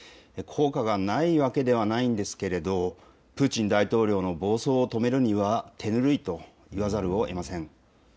効果がないわけではないんですけれど、プーチン大統領の暴走を止めるには手ぬるいと言わざるをえません。